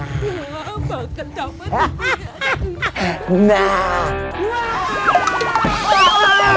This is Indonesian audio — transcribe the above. bahkan camet nih